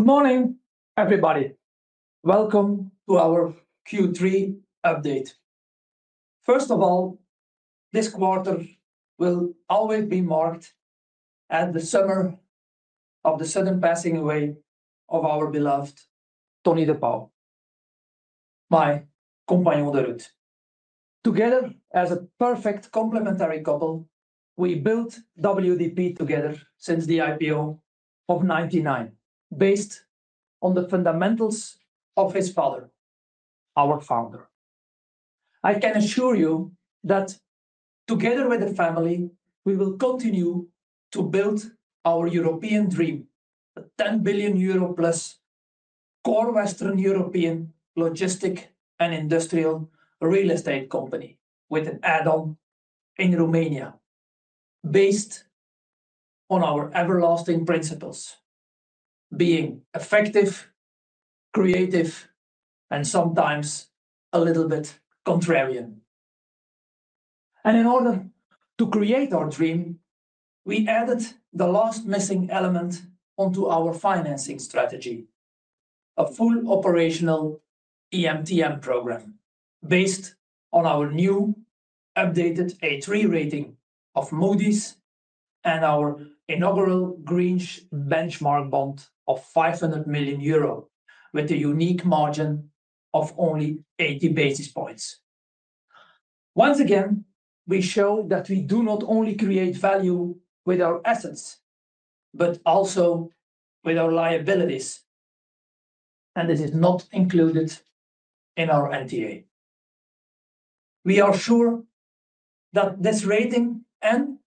Good morning, everybody. Welcome to our Q3 update. First of all, this quarter will always be marked as the summer of the sudden passing away of our beloved Tony De Pauw, my compagnon de route. Together as a perfect complementary couple, we built WDP together since the IPO of 1999, based on the fundamentals of his father, our founder. I can assure you that together with the family, we will continue to build our European dream, a €10 billion+core Western European logistic and industrial real estate company with an add-on in Romania, based on our everlasting principles: being effective, creative, and sometimes a little bit contrarian. In order to create our dream, we added the last missing element onto our financing strategy: a full operational EMTN program based on our new updated A3 rating of Moody’s and our inaugural green benchmark bond of €500 million with a unique margin of only 80 basis points. Once again, we show that we do not only create value with our assets, but also with our liabilities, and this is not included in our NTA. We are sure that this rating and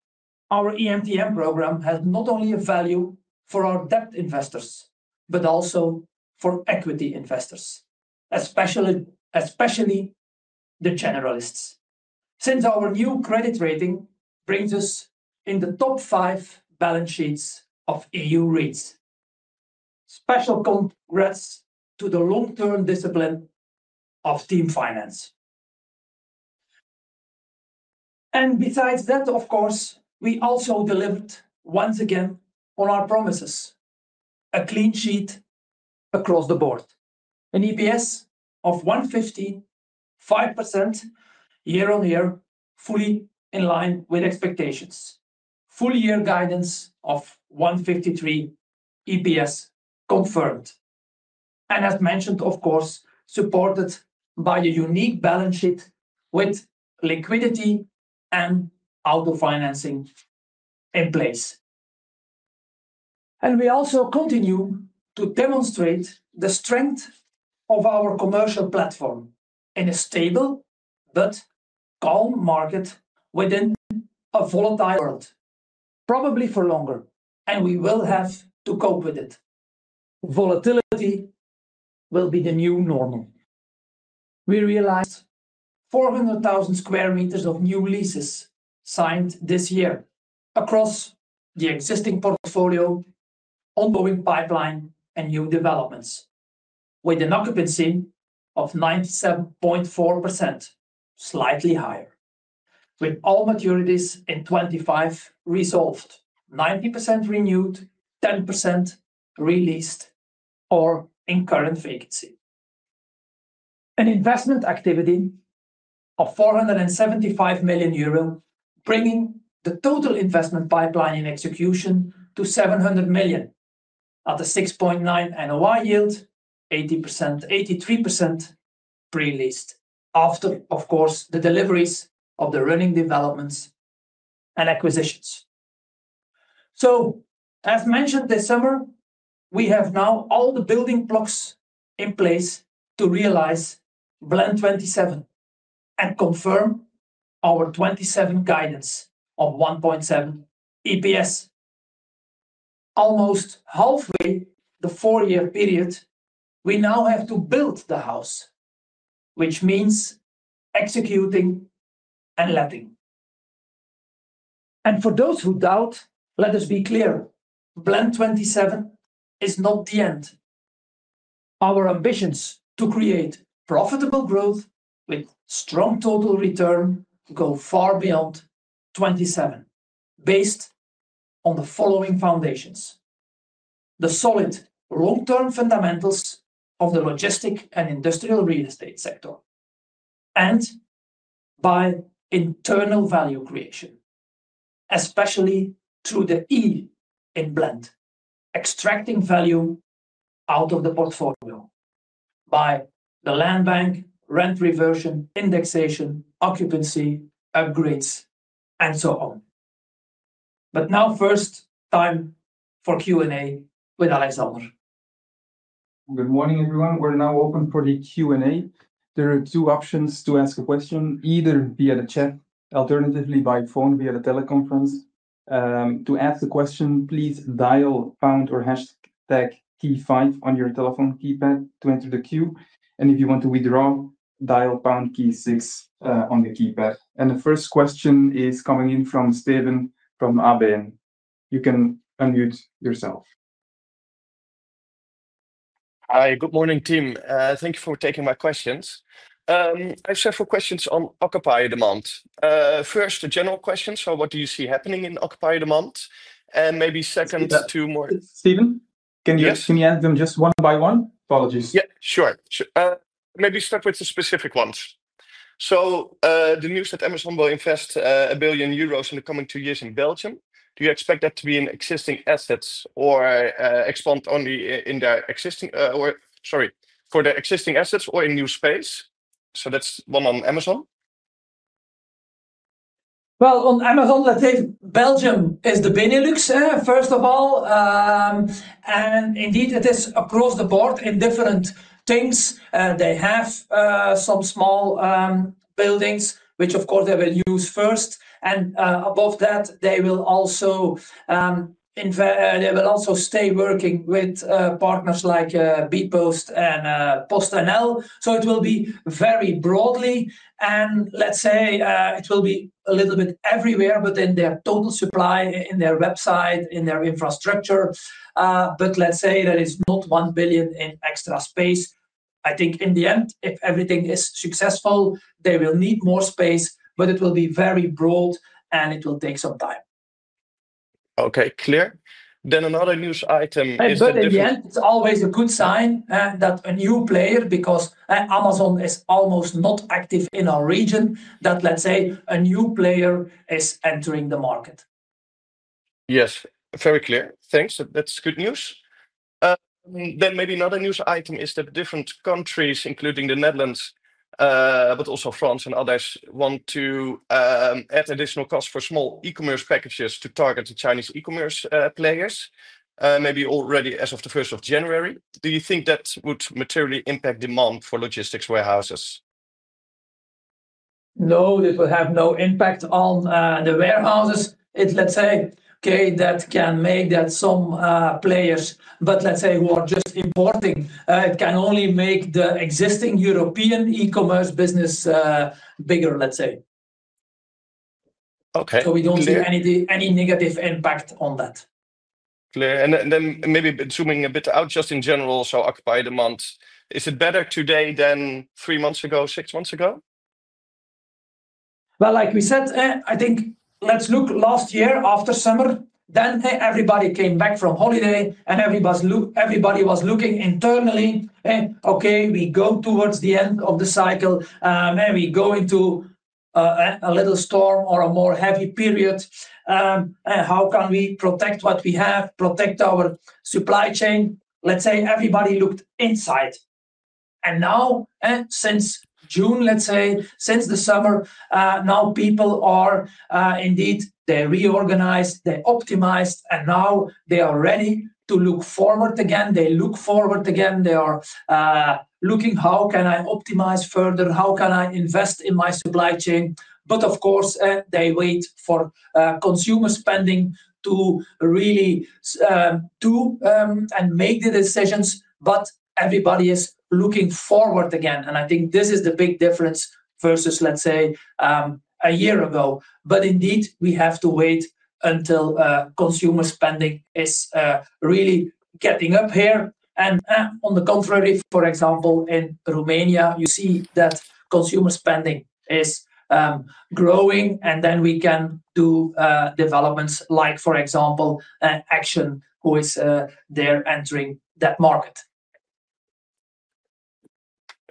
our EMTN program have not only a value for our debt investors, but also for equity investors, especially the generalists, since our new credit rating brings us in the top five balance sheets of E.U. REITs. Special congrats to the long-term discipline of Team Finance. Besides that, of course, we also delivered once again on our promises: a clean sheet across the board, an EPS of €1.50, 5% year-on-year, fully in line with expectations, full-year guidance of €1.53 EPS confirmed, and as mentioned, of course, supported by a unique balance sheet with liquidity and autofinancing in place. We also continue to demonstrate the strength of our commercial platform in a stable but calm market within a volatile world, probably for longer, and we will have to cope with it. Volatility will be the new normal. We realized 400,000 sq m of new leases signed this year across the existing portfolio, ongoing pipeline, and new developments, with an occupancy of 97.4%, slightly higher, with all maturities in 2025 resolved, 90% renewed, 10% released or in current vacancy. An investment activity of €475 million, bringing the total investment pipeline in execution to €700 million at a 6.9% NOI yield, 83% pre-leased after, of course, the deliveries of the running developments and acquisitions. As mentioned this summer, we have now all the building blocks in place to realize BLEND2027 and confirm our 2027 guidance of €1.7 EPS. Almost halfway through the four-year period, we now have to build the house, which means executing and letting. For those who doubt, let us be clear: BLEND2027 is not the end. Our ambitions to create profitable growth with strong total return go far beyond 2027, based on the following foundations: the solid long-term fundamentals of the logistics and industrial real estate sector, and by internal value creation, especially through the E in BLEND, extracting value out of the portfolio by the land bank, rent reversion, indexation, occupancy, upgrades, and so on. Now, first time for Q&A with Alexander. Good morning, everyone. We're now open for the Q&A. There are two options to ask a question, either via the chat or by phone via the teleconference. To ask a question, please dial Pound or hashtag T5 on your telephone keypad to enter the queue. If you want to withdraw, dial pound key six on the keypad. The first question is coming in from Steven from ABN. You can unmute yourself. Hi, good morning, team. Thank you for taking my questions. I have several questions on occupier demand. First, a general question. What do you see happening in occupier demand? Maybe second, two more. Steven, can you ask me them just one by one? Apologies. Yeah, sure. Maybe start with the specific ones. The news that Amazon will invest €1 billion in the coming two years in Belgium. Do you expect that to be in existing assets or expand only in their existing, or for their existing assets or in new space? That's one on Amazon. On Amazon, I think Belgium is the Benelux, first of all. It is across the board in different things. They have some small buildings, which of course they will use first. Above that, they will also stay working with partners like Bpost and PostNL. It will be very broadly. Let's say it will be a little bit everywhere, but in their total supply, in their website, in their infrastructure. It's not €1 billion in extra space. I think in the end, if everything is successful, they will need more space, but it will be very broad and it will take some time. Okay, clear. Another news item. It is always a good sign that a new player, because Amazon is almost not active in our region, that a new player is entering the market. Yes, very clear. Thanks. That's good news. Maybe another news item is that different countries, including the Netherlands, but also France and others, want to add additional costs for small e-commerce packages to target the Chinese e-commerce players. Maybe already as of 1st of January. Do you think that would materially impact demand for logistics warehouses? No, this will have no impact on the warehouses. That can make that some players, who are just importing, it can only make the existing European e-commerce business bigger. Okay. We don't see any negative impact on that. Clear. Maybe zooming a bit out just in general, so occupy demand, is it better today than three months ago, six months ago? Like we said, I think let's look last year after summer. Then everybody came back from holiday and everybody was looking internally. Okay, we go towards the end of the cycle. Maybe go into a little storm or a more heavy period. How can we protect what we have, protect our supply chain? Let's say everybody looked inside. Now, since June, let's say, since the summer, now people are indeed, they reorganized, they optimized, and now they are ready to look forward again. They look forward again. They are looking, how can I optimize further? How can I invest in my supply chain? Of course, they wait for consumer spending to really make the decisions. Everybody is looking forward again. I think this is the big difference versus, let's say, a year ago. Indeed, we have to wait until consumer spending is really getting up here. On the contrary, for example, in Romania, you see that consumer spending is growing. Then we can do developments like, for example, Action, who is there entering that market.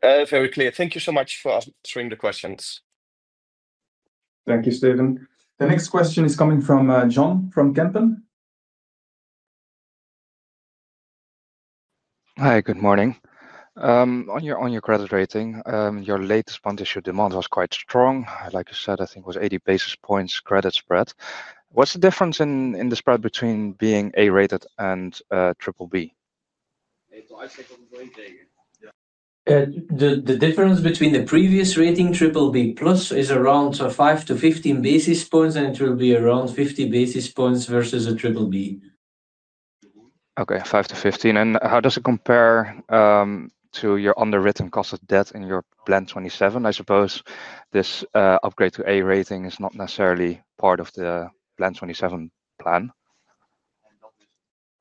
Very clear. Thank you so much for answering the questions. Thank you, Steven. The next question is coming from John from Kempen. Hi, good morning. On your credit rating, your latest month-issued demand was quite strong. Like you said, I think it was 80 basis points credit spread. What's the difference in the spread between being A-rated and BBB? The difference between the previous rating, BBB+, is around 5-15 basis points, and it will be around 50 basis points versus a BBB. Okay, 5-15 basis points. How does it compare to your underwritten cost of debt in your BLEND27 plan? I suppose this upgrade to A's rating is not necessarily part of the BLEND27 plan.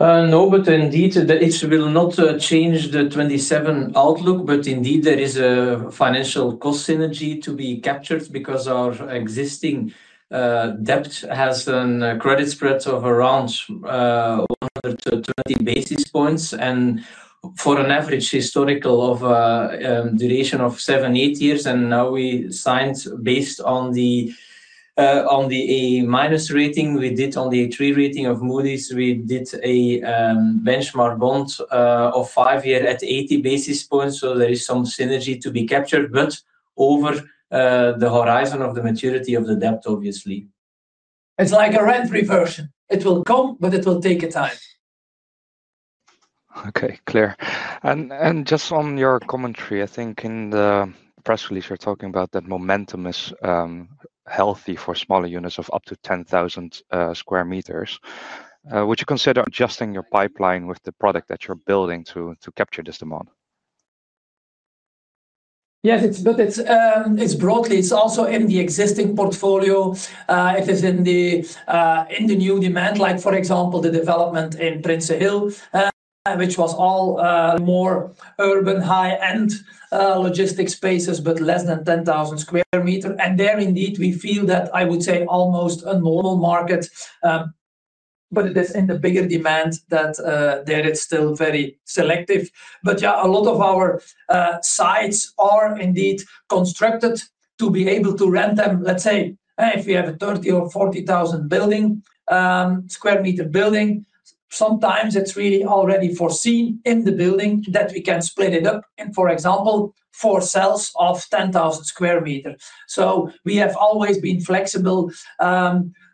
No, but indeed, it will not change the 2027 outlook. There is a financial cost synergy to be captured because our existing debt has a credit spread of around 120 basis points and for an average historical duration of seven, eight years. Now we signed based on the A- rating. We did, on the A3 of Moody’s rating, a benchmark bond of five years at 80 basis points. There is some synergy to be captured, but over the horizon of the maturity of the debt, obviously. It's like a rent reversion. It will come, but it will take time. Okay, clear. Just on your commentary, I think in the press release, you're talking about that momentum is healthy for smaller units of up to 10,000 sq m. Would you consider adjusting your pipeline with the product that you're building to capture this demand? Yes, but it's broadly. It's also in the existing portfolio. It is in the new demand, like for example, the development in Prince Hill, which was all more urban high-end logistics spaces, but less than 10,000 sq m. There indeed, we feel that I would say almost a normal market. It is in the bigger demand that there is still very selective. Yeah, a lot of our sites are indeed constructed to be able to rent them. Let's say if we have a 30,000 sq m or 40,000 sq me building, sometimes it's really already foreseen in the building that we can split it up. For example, four cells of 10,000 sq m. We have always been flexible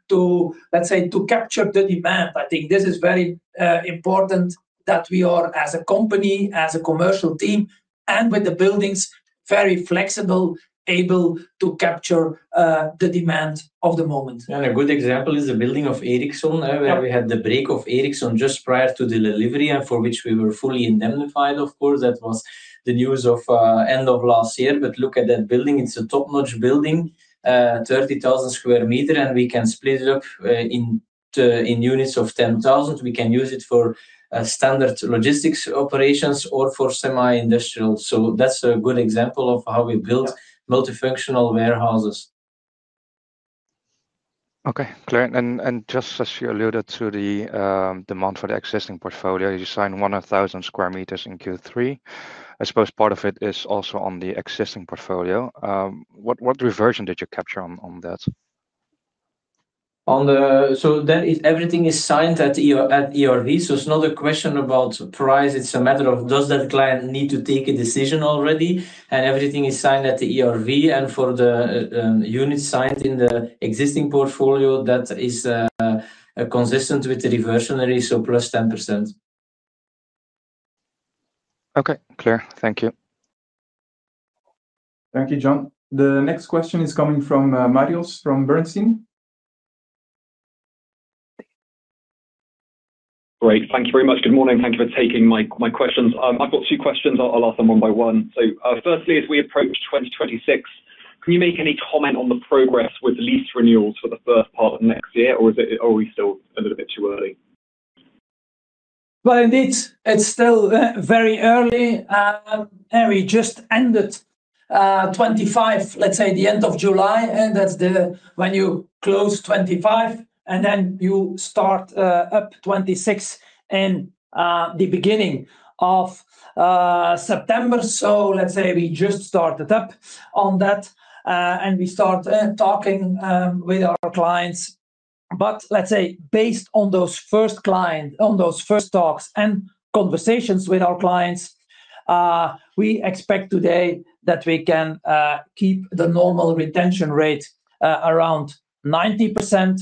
to, let's say, to capture the demand. I think this is very important that we are, as a company, as a commercial team, and with the buildings, very flexible, able to capture the demand of the moment. A good example is the building of Ericsson, where we had the break of Ericsson just prior to the delivery and for which we were fully indemnified. That was the news of the end of last year. Look at that building. It's a top-notch building, 30,000 sq m, and we can split it up in units of 10,000 sq m. We can use it for standard logistics operations or for semi-industrial. That's a good example of how we build multifunctional warehouses. Okay, clear. Just as you alluded to the demand for the existing portfolio, you signed 1,000 sq m in Q3. I suppose part of it is also on the existing portfolio. What reversion did you capture on that? Everything is signed at ERV. It's not a question about price. It's a matter of does that client need to take a decision already? Everything is signed at the ERV. For the units signed in the existing portfolio, that is consistent with the reversionary, so +10%. Okay, clear. Thank you. Thank you, John. The next question is coming from Marios from Bernstein. Great. Thank you very much. Good morning. Thank you for taking my questions. I've got two questions. I'll ask them one by one. Firstly, as we approach 2026, can you make any comment on the progress with lease renewals for the first part of next year, or is it always still a little bit too early? It is still very early. We just ended 2025, let's say the end of July. That's when you close 2025, and then you start up 2026 in the beginning of September. Let's say we just started up on that, and we start talking with our clients. Based on those first clients, on those first talks and conversations with our clients, we expect today that we can keep the normal retention rate around 90%.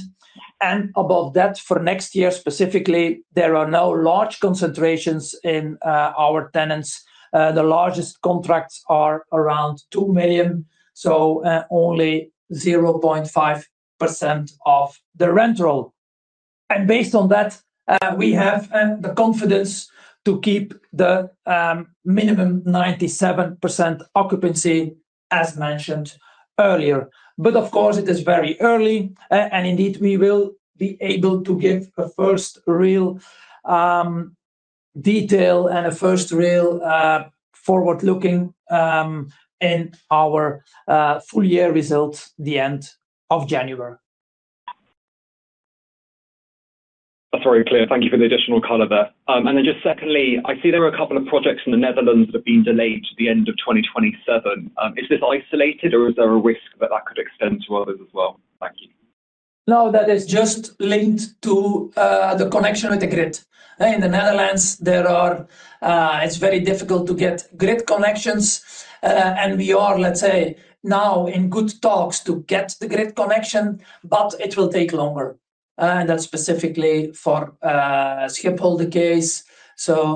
Above that, for next year specifically, there are no large concentrations in our tenants. The largest contracts are around €2 million, so only 0.5% of the rental. Based on that, we have the confidence to keep the minimum 97% occupancy as mentioned earlier. Of course, it is very early. We will be able to give a first real detail and a first real forward-looking in our full-year results at the end of January. Thank you for the additional color there. Just secondly, I see there are a couple of projects in the Netherlands that have been delayed to the end of 2027. Is this isolated, or is there a risk that that could extend to others as well? Thank you. No, that is just linked to the connection with the grid. In the Netherlands, it's very difficult to get grid connections. We are, let's say, now in good talks to get the grid connection, but it will take longer. That's specifically for Schiphol the case.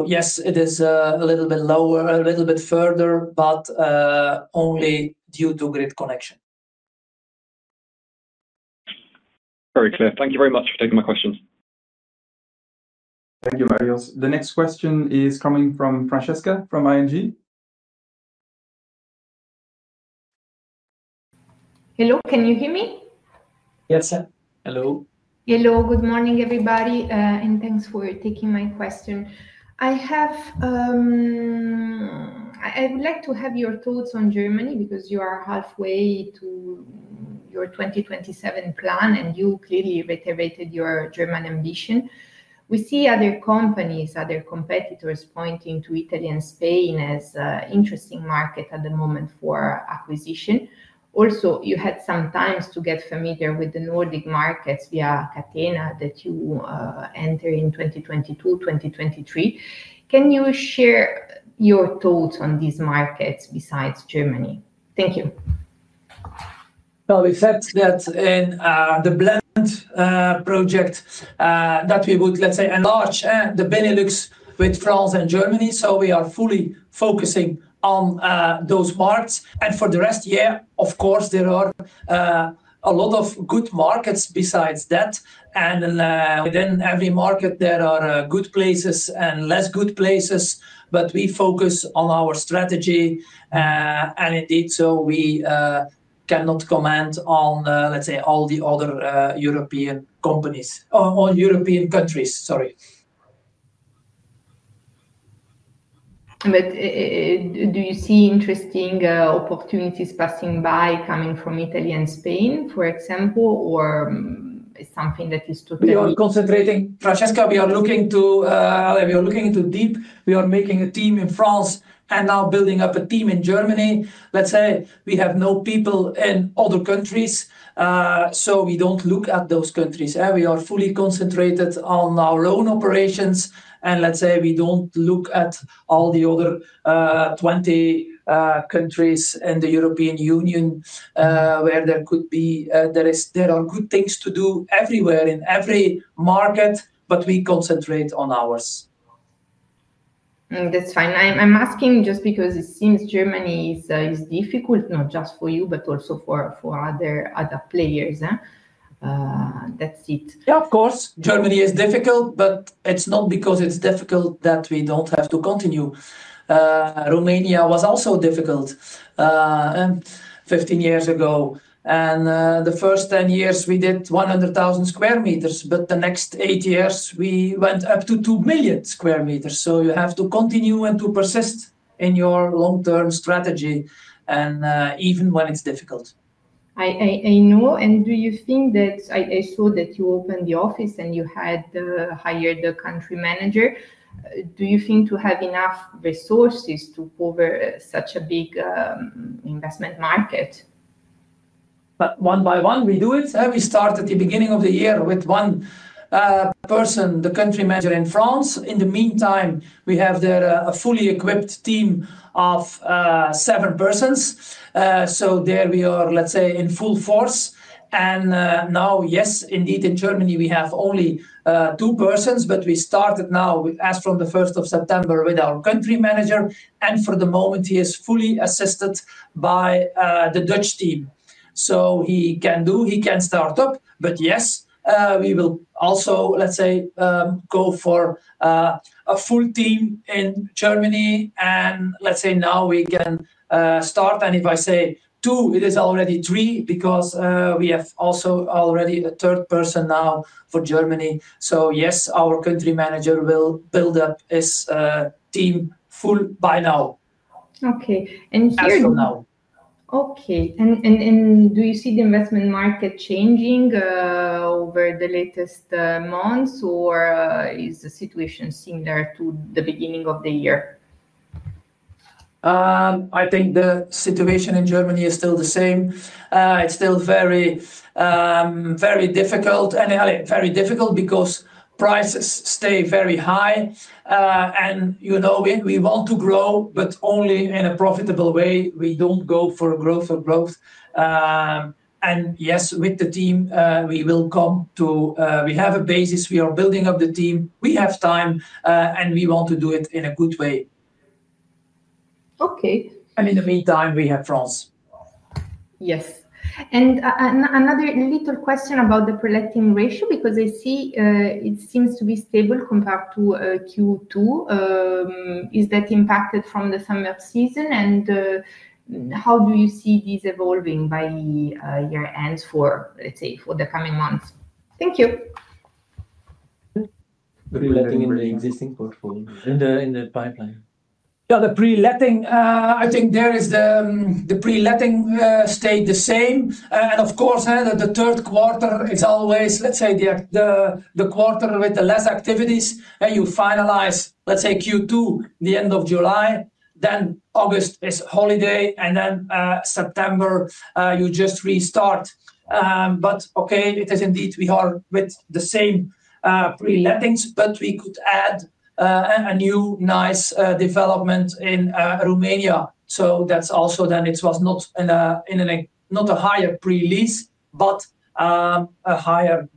Yes, it is a little bit lower, a little bit further, but only due to grid connection. Very clear. Thank you very much for taking my questions. Thank you, Marios. The next question is coming from Francesca from ING. Hello, can you hear me? Yes, hello. Hello, good morning, everybody, and thanks for taking my question. I would like to have your thoughts on Germany because you are halfway to your 2027 plan, and you clearly reiterated your German ambition. We see other companies, other competitors pointing to Italy and Spain as an interesting market at the moment for acquisition. Also, you had some time to get familiar with the Nordic markets via Catena that you entered in 2022-2023. Can you share your thoughts on these markets besides Germany? Thank you. In the BLEND project, we said that we would, let's say, enlarge the Benelux with France and Germany. We are fully focusing on those markets. For the rest of the year, of course, there are a lot of good markets besides that. Within every market, there are good places and less good places. We focus on our strategy. Indeed, we cannot comment on, let's say, all the other European companies or European countries, sorry. Do you see interesting opportunities passing by coming from Italy and Spain, for example, or is that something that is totally? We are concentrating, Francesca, we are looking to deep. We are making a team in France and now building up a team in Germany. Let's say we have no people in other countries. We don't look at those countries. We are fully concentrated on our own operations. Let's say we don't look at all the other 20 countries in the European Union where there could be, there are good things to do everywhere in every market, but we concentrate on ours. That's fine. I'm asking just because it seems Germany is difficult, not just for you, but also for other players. That's it. Yeah, of course, Germany is difficult, but it's not because it's difficult that we don't have to continue. Romania was also difficult 15 years ago. The first 10 years, we did 100,000 sq m, but the next eight years, we went up to 2 million sq m. You have to continue and persist in your long-term strategy, even when it's difficult. Do you think that I saw that you opened the office and you hired the country manager? Do you think you have enough resources to cover such a big investment market? One by one, we do it. We start at the beginning of the year with one person, the Country Manager in France. In the meantime, we have a fully equipped team of seven persons. There we are, let's say, in full force. Yes, indeed, in Germany, we have only two persons, but we started now as from the 1st of September with our Country Manager. For the moment, he is fully assisted by the Dutch team. He can do, he can start up. We will also, let's say, go for a full team in Germany. Let's say now we can start. If I say two, it is already three because we have also already a third person now for Germany. Yes, our country manager will build up his team full by now Okay. Do you see the investment market changing over the latest months, or is the situation similar to the beginning of the year? I think the situation in Germany is still the same. It's still very, very difficult, and very difficult because prices stay very high. You know we want to grow, but only in a profitable way. We don't go for growth for growth. With the team, we will come to... We have a basis. We are building up the team. We have time, and we want to do it in a good way. Okay. In the meantime, we have France. Yes. Another little question about the prolactin ratio because I see it seems to be stable compared to Q2. Is that impacted from the summer season? How do you see this evolving by year-end, for, let's say, the coming months? Thank you. Pre-letting in the existing portfolio, in the pipeline. Yeah, the preletting, I think the preletting stayed the same. Of course, the third quarter is always, let's say, the quarter with less activities. You finalize, let's say, Q2, the end of July. August is holiday, and September, you just restart. It is indeed, we are with the same prelettings, but we could add a new nice development in Romania. That's also then, it was not in a higher pre-lease, but a higher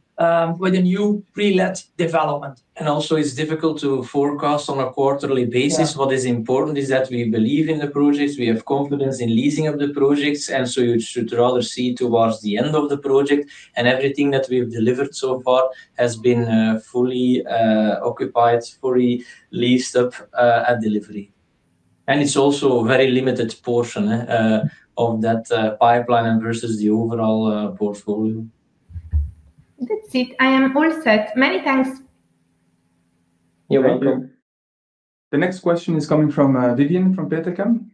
with a new prelet development. It is difficult to forecast on a quarterly basis. What is important is that we believe in the projects. We have confidence in leasing of the projects. You should rather see towards the end of the project. Everything that we have delivered so far has been fully occupied, fully leased up at delivery. It is also a very limited portion of that pipeline versus the overall portfolio. That's it. I am all set. Many thanks. You're welcome. The next question is coming from Vivien from Petercam.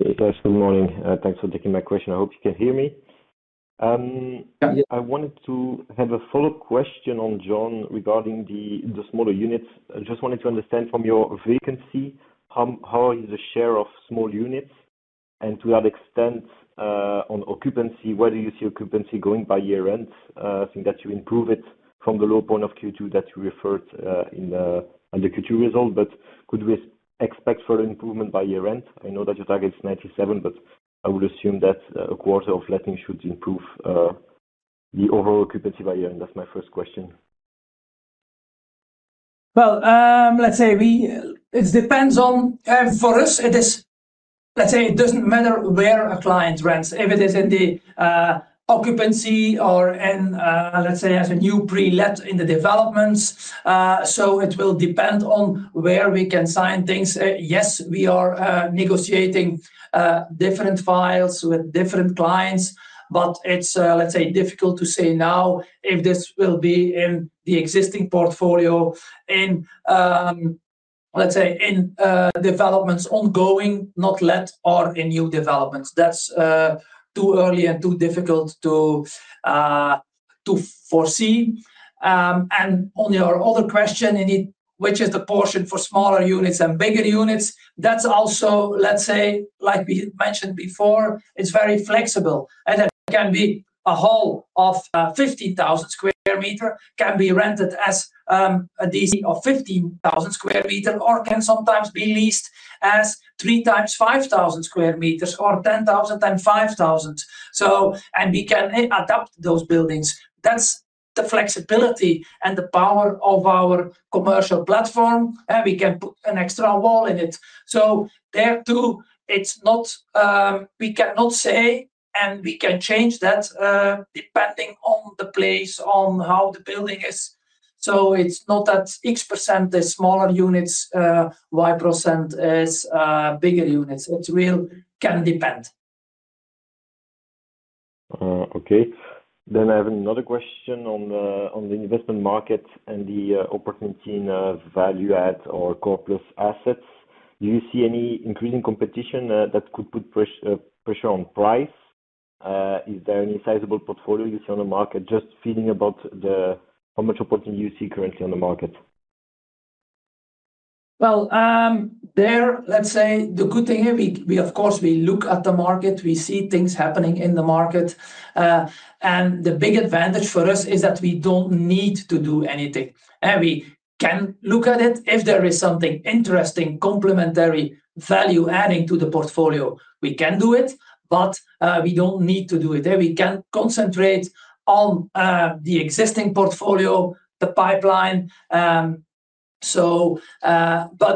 Yes, good morning. Thanks for taking my question. I hope you can hear me. I wanted to have a follow-up question on John regarding the smaller units. I just wanted to understand from your vacancy how is the share of small units? To that extent, on occupancy, where do you see occupancy going by year end? I think that you improve it from the low point of Q2 that you referred in the Q2 result. Could we expect further improvement by year end? I know that your target is 97%, but I would assume that a quarter of letting should improve the overall occupancy by year. That's my first question. It depends on, for us, it is, it doesn't matter where a client rents, if it is in the occupancy or as a new pre-let in the developments. It will depend on where we can sign things. Yes, we are negotiating different files with different clients, but it's difficult to say now if this will be in the existing portfolio, in developments ongoing, not let, or in new developments. That's too early and too difficult to foresee. On your other question, indeed, which is the portion for smaller units and bigger units, that's also, like we mentioned before, very flexible. It can be a whole of 50,000 sq m, can be rented as a DC of 15,000 sq m, or can sometimes be leased as three times 5,000 sq m or 10,000x5,000. We can adapt those buildings. That's the flexibility and the power of our commercial platform. We can put an extra wall in it. There too, we cannot say, and we can change that depending on the place, on how the building is. It's not that x% is smaller units, y% is bigger units. It really can depend. I have another question on the investment market and the opportunity in value-add or core plus assets. Do you see any increasing competition that could put pressure on price? Is there any sizable portfolio you see on the market? Just feeling about how much opportunity you see currently on the market? The good thing is, of course, we look at the market. We see things happening in the market. The big advantage for us is that we don't need to do anything. We can look at it if there is something interesting, complementary, value-adding to the portfolio. We can do it, but we don't need to do it. We can concentrate on the existing portfolio, the pipeline.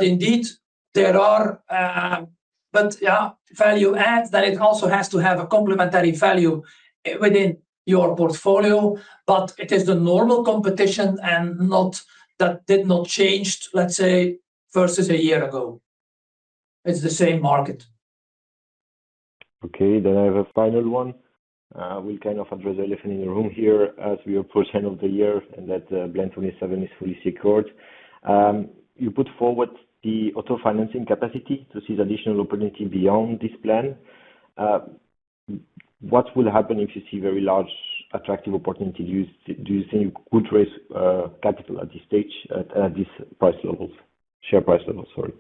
Indeed, there are, yeah, value-add, then it also has to have a complementary value within your portfolio. It is the normal competition and that did not change, let's say, versus a year ago. It's the same market. Okay. I have a final one. We'll kind of address everything in the room here as we are pushing out the year and that BLEND27 is fully secured. You put forward the autofinancing capacity to see the additional opportunity beyond this plan. What will happen if you see very large, attractive opportunities? Do you think you could raise capital at this stage and at these share price levels?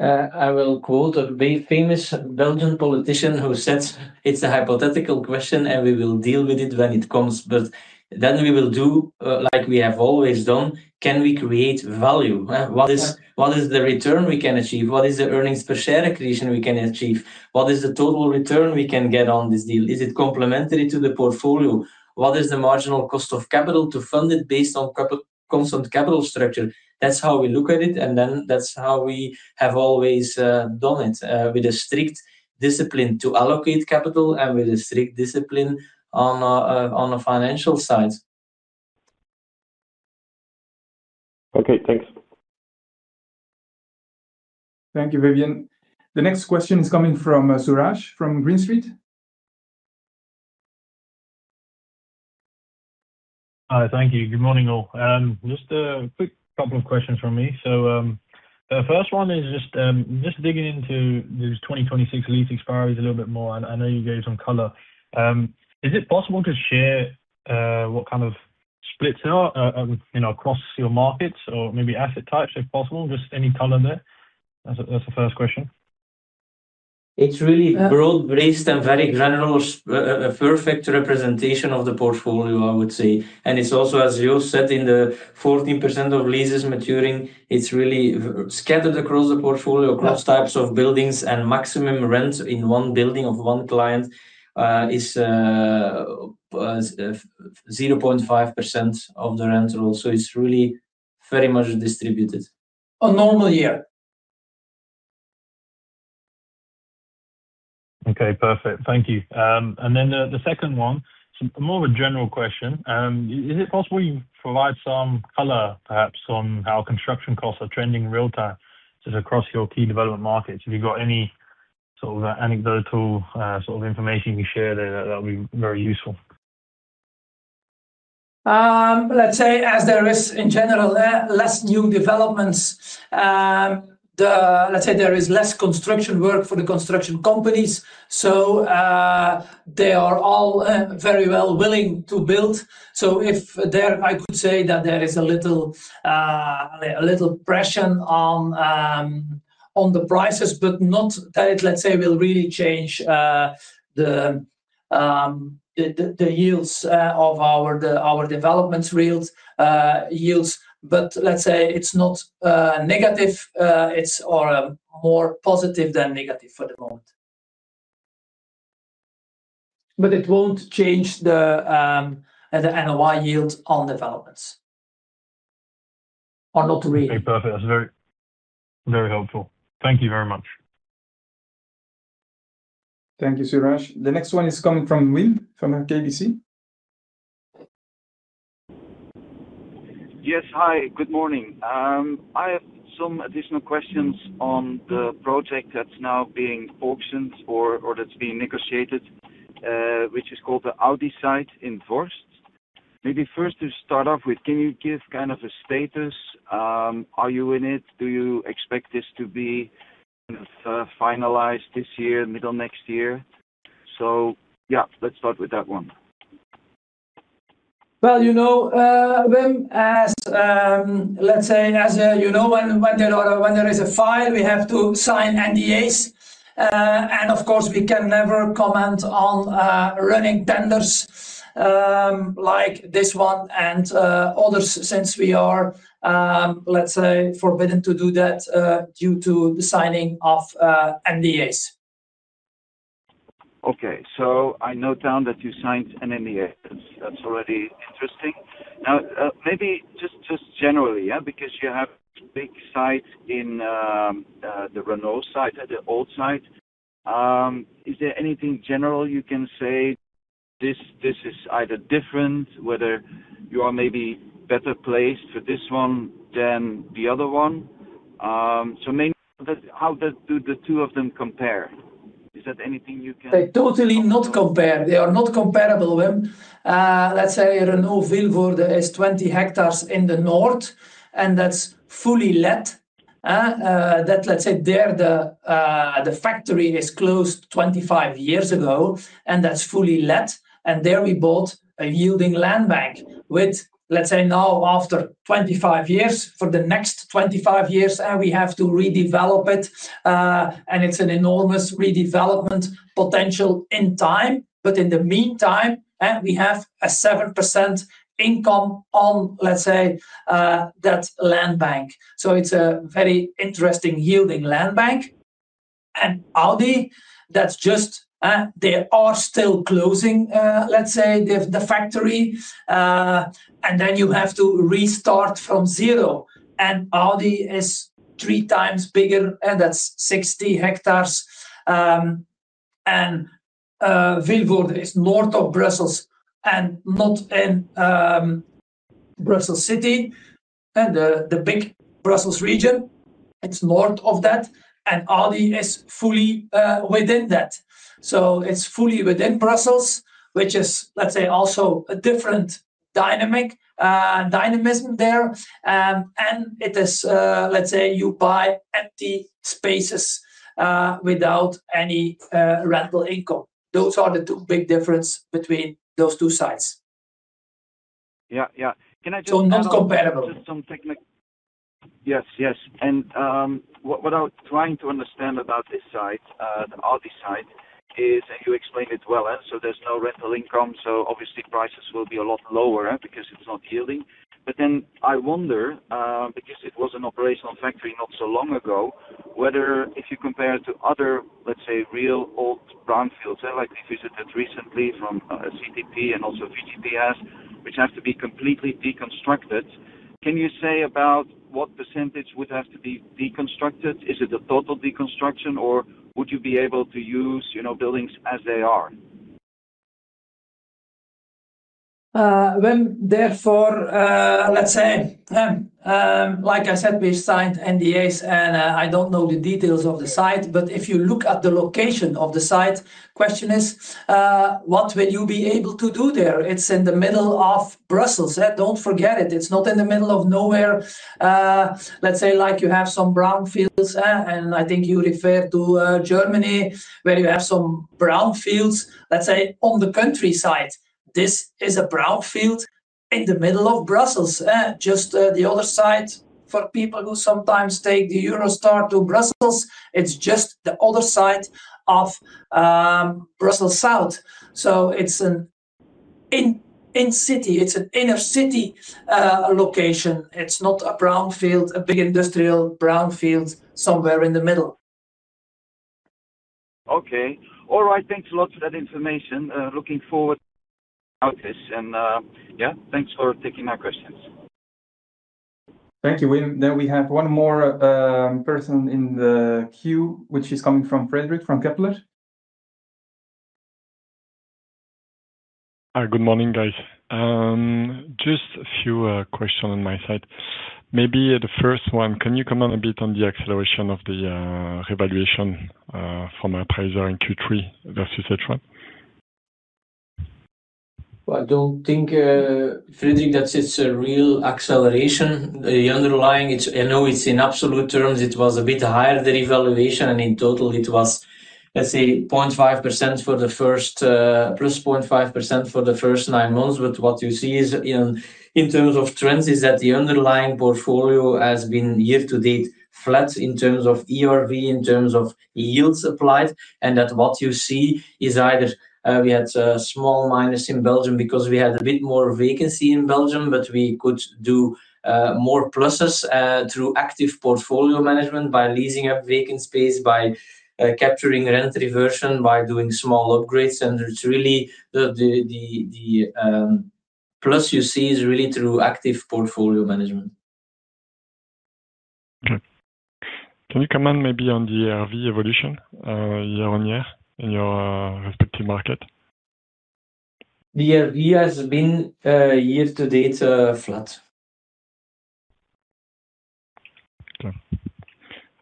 I will quote a famous Belgian politician who said, "It's a hypothetical question and we will deal with it when it comes." We will do like we have always done. Can we create value? What is the return we can achieve? What is the EPS creation we can achieve? What is the total return we can get on this deal? Is it complementary to the portfolio? What is the marginal cost of capital to fund it based on constant capital structure? That's how we look at it. That's how we have always done it with a strict discipline to allocate capital and with a strict discipline on the financial side. Okay, thanks. Thank you, Vivien. The next question is coming from Suraj from Green Street. Hi, thank you. Good morning all. Just a quick couple of questions from me. The first one is just digging into this 2026 lease expiry a little bit more. I know you gave some color. Is it possible to share what kind of splits are across your markets or maybe asset types if possible? Just any color there. That's the first question. It's really broad-based and very general, a perfect representation of the portfolio, I would say. It's also, as you said, in the 14% of leases maturing, really scattered across the portfolio, across types of buildings. The maximum rent in one building of one client is 0.5% of the rental also. It's really very much distributed. A normal year. Okay, perfect. Thank you. The second one, it's more of a general question. Is it possible you provide some color perhaps on how construction costs are trending in real time? It's across your key development markets. If you've got any sort of anecdotal sort of information you can share there, that would be very useful. Let's say as there is in general less new developments, there is less construction work for the construction companies. They are all very well willing to build. I could say that there is a little pressure on the prices, but not that it will really change the yields of our development yields. It's not negative, it's more positive than negative for the moment. It won't change the NOI yield on developments, or not really. Okay, perfect. That's very, very helpful. Thank you very much. Thank you, Suraj. The next one is coming from Wim from KBC. Yes, hi. Good morning. I have some additional questions on the project that's now being auctioned or that's being negotiated, which is called the Audi site in Vorst. Maybe first to start off with, can you give kind of a status? Are you in it? Do you expect this to be finalized this year, middle next year? Let's start with that one. As you know, when there is a file, we have to sign NDAs. Of course, we can never comment on running tenders like this one and others since we are forbidden to do that due to the signing of NDAs. Okay, so I note down that you signed an NDA. That's already interesting. Now, maybe just generally, yeah, because you have a big site in the Renault site, the old site. Is there anything general you can say that this is either different, whether you are maybe better placed for this one than the other one? Mainly, how do the two of them compare? Is that anything you can? They totally not compare. They are not comparable. Let's say Renault Vilvoorde is 20 hectares in the north, and that's fully let. There, the factory is closed 25 years ago, and that's fully let. There we bought a yielding land bank with, let's say, now after 25 years, for the next 25 years, and we have to redevelop it. It is an enormous redevelopment potential in time. In the meantime, we have a 7% income on that land bank. It's a very interesting yielding land bank. Audi, that's just, they are still closing the factory. You have to restart from zero. Audi is three times bigger, and that's 60 hectares. Vilvoorde is north of Brussels and not in Brussels City and the big Brussels region. It's north of that. Audi is fully within that. It's fully within Brussels, which is also a different dynamic and dynamism there. It is, let's say, you buy empty spaces without any rental income. Those are the two big differences between those two sites. Yeah. Can I just. So non-comparable. Just some technical. Yes, yes. What I'm trying to understand about this site, the Audi site, is, and you explained it well, there's no rental income. Obviously, prices will be a lot lower because it's not yielding. I wonder, because it was an operational factory not so long ago, whether if you compare it to other, let's say, real old brownfields, like if you visited recently from CTP and also VGP, which have to be completely deconstructed, can you say about what % would have to be deconstructed? Is it a total deconstruction, or would you be able to use buildings as they are? Like I said, we signed NDAs, and I don't know the details of the site, but if you look at the location of the site, the question is, what will you be able to do there? It's in the middle of Brussels. Don't forget it. It's not in the middle of nowhere. Like you have some brownfields, and I think you referred to Germany, where you have some brownfields on the countryside. This is a brownfield in the middle of Brussels, just the other side. For people who sometimes take the Eurostar to Brussels, it's just the other side of Brussels South. It's an inner-city location. It's not a brownfield, a big industrial brownfield somewhere in the middle. Okay. All right. Thanks a lot for that information. Looking forward to this, and yeah, thanks for taking my questions. Thank you. We have one more person in the queue, which is coming from Frédéric from Kepler. Hi, good morning, guys. Just a few questions on my side. Maybe the first one, can you comment a bit on the acceleration of the revaluation from my appraiser in Q3 versus ETRA? I don't think, Frédéric, that's a real acceleration. The underlying, I know it's in absolute terms, it was a bit higher, the revaluation, and in total, it was, let's say, 0.5% for the first +0.5% for the first nine months. What you see in terms of trends is that the underlying portfolio has been year-to-date flat in terms of ERV, in terms of yields applied. What you see is either we had a small minus in Belgium because we had a bit more vacancy in Belgium, but we could do more pluses through active portfolio management by leasing up vacant space, by capturing rent reversion, by doing small upgrades. It's really the plus you see that is really through active portfolio management. Okay. Can you comment maybe on the ERV evolution year-on-year in your respective market? The ERV has been year-to-date flat. Okay.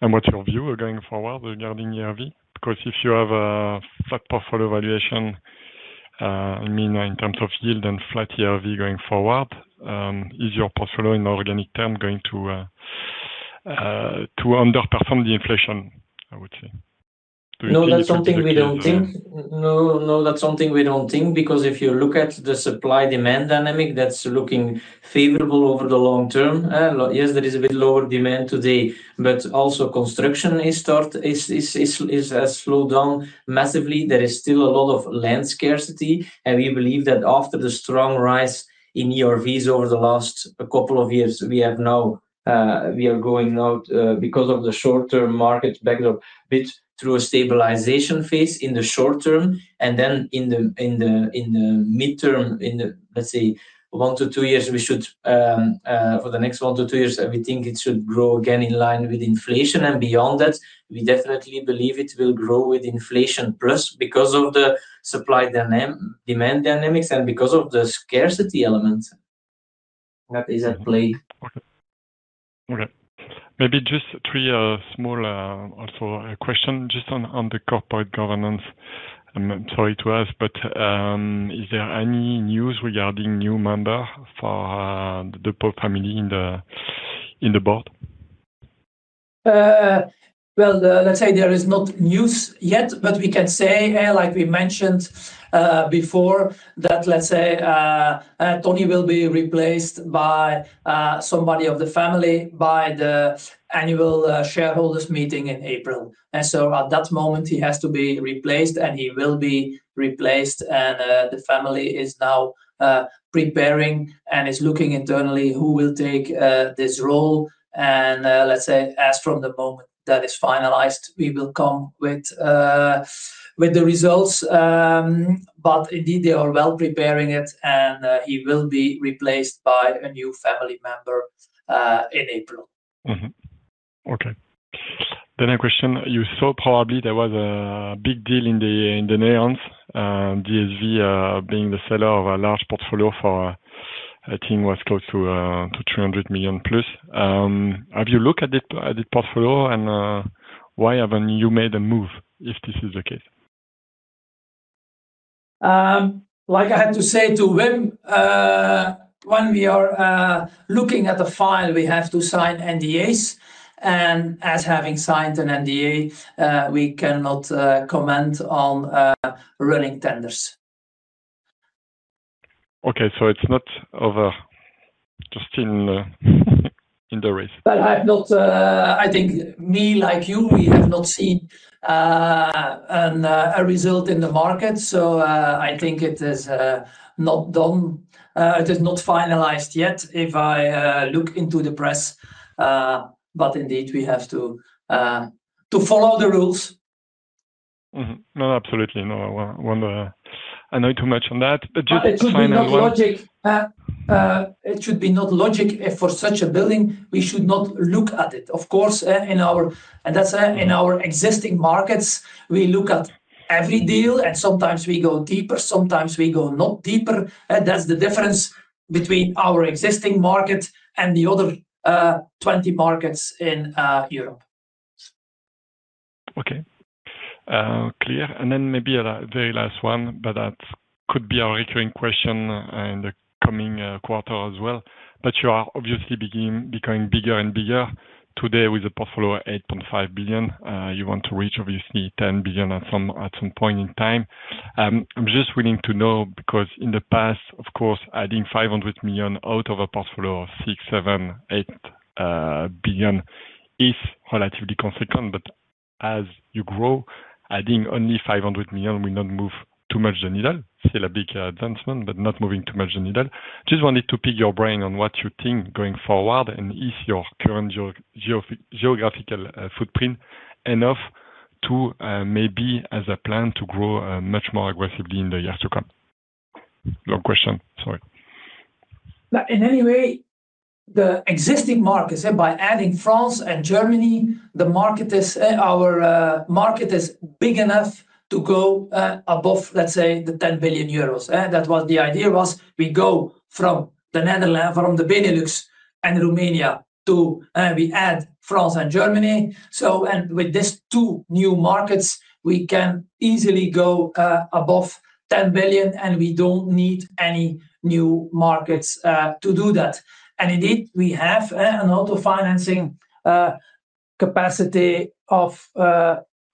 What's your view going forward regarding ERV? If you have a flat portfolio valuation, in terms of yield and flat ERV going forward, is your portfolio in organic terms going to underperform the inflation, I would say? No, that's something we don't think. No, that's something we don't think because if you look at the supply-demand dynamic, that's looking favorable over the long term. Yes, there is a bit lower demand today, but also construction has slowed down massively. There is still a lot of land scarcity. We believe that after the strong rise in ERVs over the last couple of years, we are going now, because of the short-term market backdrop, a bit through a stabilization phase in the short term. In the midterm, in the, let's say, one to two years, we should, for the next one to two years, we think it should grow again in line with inflation. Beyond that, we definitely believe it will grow with inflation plus because of the supply-demand dynamics and because of the scarcity element that is at play. Okay. Maybe just three small also questions, just on the corporate governance. I'm sorry to ask, but is there any news regarding new members for the De Pau family in the board? There is not news yet, but we can say, like we mentioned before, that Tony will be replaced by somebody of the family by the annual shareholders' meeting in April. At that moment, he has to be replaced, and he will be replaced. The family is now preparing and is looking internally who will take this role. As from the moment that is finalized, we will come with the results. Indeed, they are well preparing it, and he will be replaced by a new family member in April. Okay. A question, you saw probably there was a big deal in the Netherlands, DSV being the seller of a large portfolio for, I think it was close to €300 million+. Have you looked at the portfolio, and why haven't you made a move if this is the case? Like I had to say to Wim, when we are looking at the file, we have to sign NDAs. As having signed an NDA, we cannot comment on running tenders. Okay, it's not over just in the race. I have not, I think me like you, we have not seen a result in the market. I think it is not done. It is not finalized yet if I look into the press. Indeed, we have to follow the rules. No, absolutely. I know too much on that. It should not be logic. It should not be logic for such a building. We should not look at it. Of course, in our existing markets, we look at every deal, and sometimes we go deeper, sometimes we do not go deeper. That's the difference between our existing market and the other 20 markets in Europe. Okay. Clear. Maybe a very last one, but that could be our recurring question in the coming quarter as well. You are obviously becoming bigger and bigger. Today, with a portfolio of €8.5 billion, you want to reach obviously €10 billion at some point in time. I'm just willing to know because in the past, of course, adding €500 million out of a portfolio of €6 billion, €7 billion, €8 billion is relatively consequent. As you grow, adding only €500 million will not move too much the needle. Still a big advancement, but not moving too much the needle. Just wanted to pick your brain on what you think going forward and is your current geographical footprint enough to maybe as a plan to grow much more aggressively in the year to come? Long question, sorry. In any way, the existing market, by adding France and Germany, our market is big enough to go above, let's say, €10 billion. That was the idea: we go from the Netherlands, from the Benelux and Romania, to we add France and Germany. With these two new markets, we can easily go above €10 billion, and we don't need any new markets to do that. Indeed, we have an autofinancing capacity of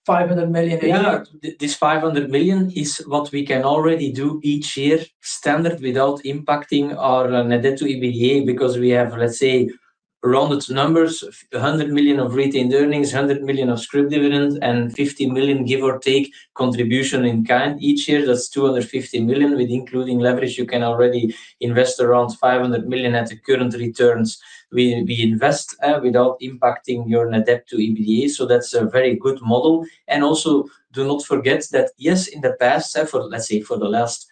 €500 million a year. Yeah, this €500 million is what we can already do each year, standard, without impacting our net EBITDA because we have, let's say, rounded numbers, €100 million of retained earnings, €100 million of scrip dividends, and €50 million, give or take, contribution in kind each year. That's €250 million with including leverage. You can already invest around €500 million at the current returns we invest without impacting your net EBITDA. That's a very good model. Also, do not forget that yes, in the past, for, let's say, the last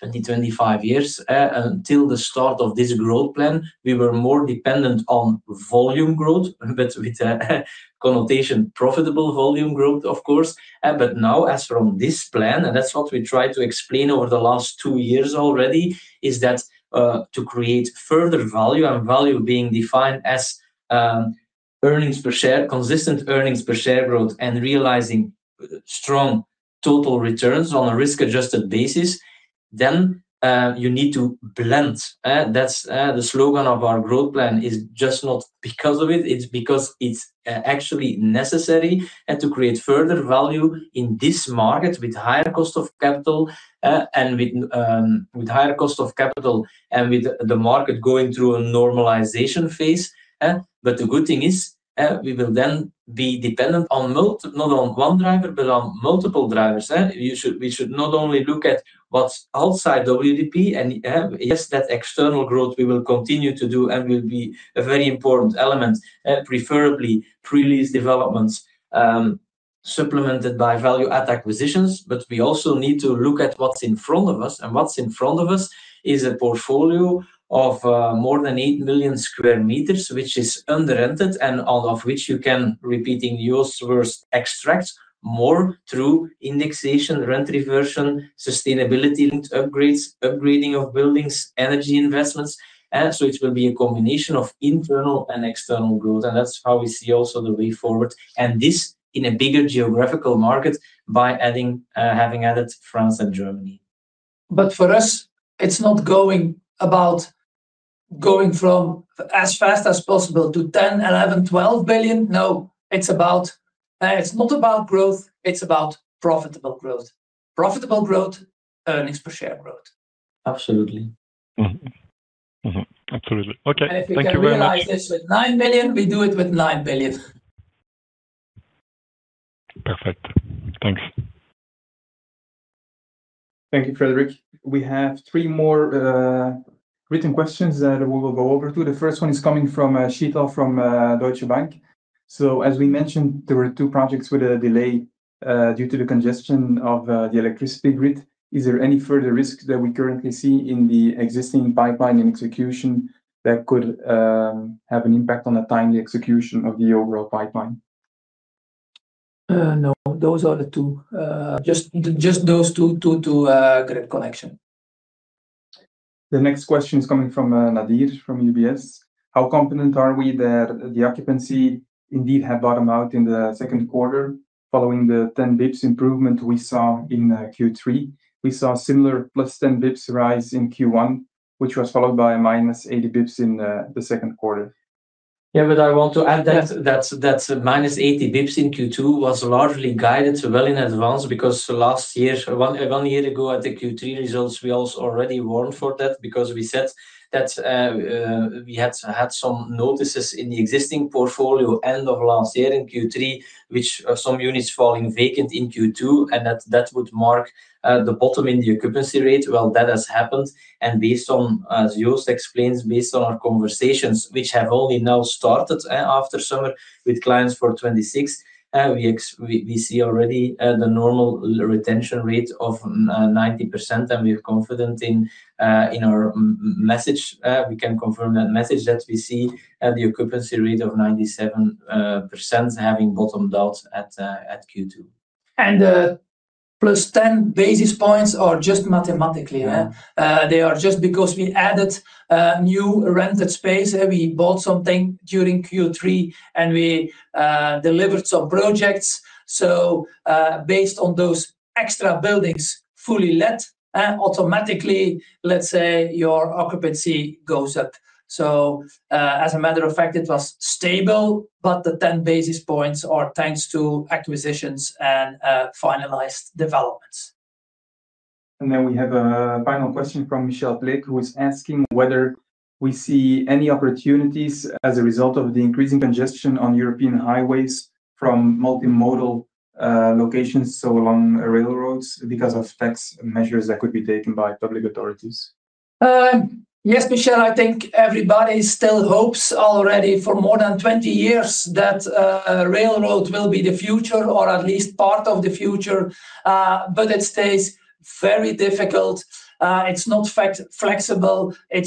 20, 25 years, until the start of this growth plan, we were more dependent on volume growth, but with a connotation of profitable volume growth, of course. Now, as from this plan, and that's what we tried to explain over the last two years already, is that to create further value, and value being defined as earnings per share, consistent earnings per share growth, and realizing strong total returns on a risk-adjusted basis, then you need to blend. That's the slogan of our growth plan. It's just not because of it. It's because it's actually necessary to create further value in this market with higher cost of capital and with the market going through a normalization phase. The good thing is we will then be dependent on not only one driver, but on multiple drivers. We should not only look at what's outside WDP, and yes, that external growth we will continue to do and will be a very important element, preferably pre-lease developments supplemented by value-add acquisitions. We also need to look at what's in front of us. What's in front of us is a portfolio of more than 8 million sq m, which is underrented and of which you can, repeating your source, extract more through indexation, rent reversion, sustainability-linked upgrades, upgrading of buildings, energy investments. It will be a combination of internal and external growth. That's how we see also the way forward, and this in a bigger geographical market by having added France and Germany. For us, it's not about going as fast as possible to €10 billion, €11 billion, €12 billion. No, it's not about growth. It's about profitable growth, profitable growth, earnings per share growth. Absolutely. Absolutely. Okay, thank you very much. If we finalize this with €9 million, we do it with €9 billion. Perfect. Thanks. Thank you, Frédéric. We have three more written questions that we will go over to. The first one is coming from Shita from Deutsche Bank. As we mentioned, there were two projects with a delay due to the congestion of the electricity grid. Is there any further risk that we currently see in the existing pipeline in execution that could have an impact on the timely execution of the overall pipeline? No, those are the two. Just those two to get a connection. The next question is coming from Nadir Rahman from UBS. How confident are we that the occupancy indeed had bottomed out in the second quarter following the 10 basis points improvement we saw in Q3? We saw a similar +10 basis points rise in Q1, which was followed by a -80 basis points in the second quarter. Yeah, but I want to add that that’s a -80 basis points in Q2 was largely guided well in advance because last year, one year ago at the Q3 results, we also already warned for that because we said that we had had some notices in the existing portfolio end of last year in Q3, which some units falling vacant in Q2, and that that would mark the bottom in the occupancy rate. That has happened. Based on, as Joost explains, based on our conversations, which have only now started after summer with clients for 2026, we see already the normal retention rate of 90%. We’re confident in our message. We can confirm that message that we see the occupancy rate of 97% having bottomed out at Q2. The +10 basis points are just mathematically. They are just because we added new rented space. We bought something during Q3, and we delivered some projects. Based on those extra buildings fully let, automatically, your occupancy goes up. As a matter of fact, it was stable, but the 10 basis points are thanks to acquisitions and finalized developments. We have a final question from Michelle Plick, who's asking whether we see any opportunities as a result of the increasing congestion on European highways from multimodal locations, so along railroads, because of tax measures that could be taken by public authorities. Yes, Michelle, I think everybody still hopes already for more than 20 years that railroad will be the future or at least part of the future. It stays very difficult. It's not flexible. It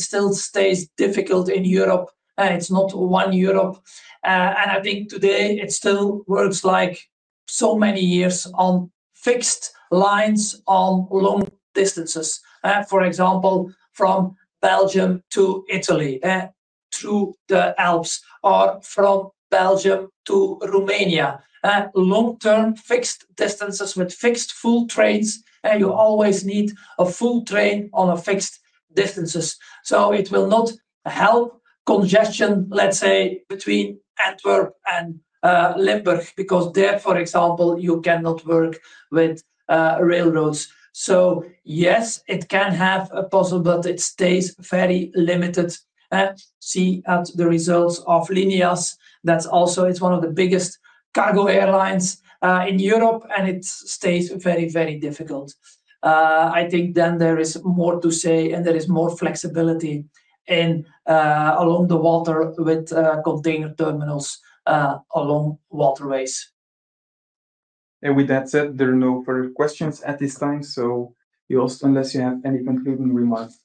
still stays difficult in Europe. It's not one Europe. I think today it still works like so many years on fixed lines on long distances. For example, from Belgium to Italy, through the Alps, or from Belgium to Romania, long-term fixed distances with fixed full trains. You always need a full train on a fixed distance. It will not help congestion, let's say, between Antwerp and Limburg, because there, for example, you cannot work with railroads. Yes, it can have a possibility that it stays very limited. See at the results of Linias. That's also, it's one of the biggest cargo rail lines in Europe, and it stays very, very difficult. I think there is more to say, and there is more flexibility along the water with container terminals along waterways. With that said, there are no further questions at this time. Joost, unless you have any concluding remarks.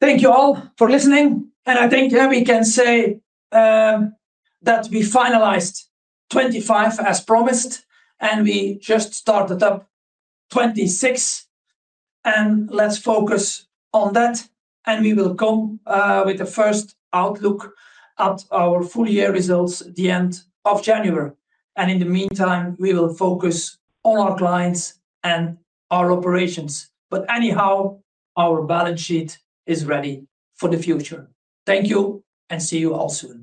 Thank you all for listening. I think we can say that we finalized 2025 as promised, and we just started up 2026. Let's focus on that. We will come with the first outlook at our full-year results at the end of January. In the meantime, we will focus on our clients and our operations. Anyhow, our balance sheet is ready for the future. Thank you, and see you all soon.